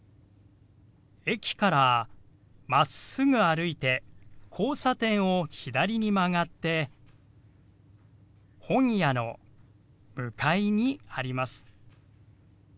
駅からまっすぐ歩いて交差点を左に曲がって本屋の向かいにあります。